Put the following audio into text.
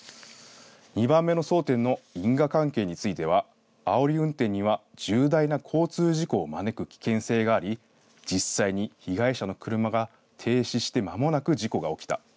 ２番目の争点の因果関係についてはあおり運転には重大な交通事故を招く危険性があり実際に被害者の車が停止してまもなく事故が起きた。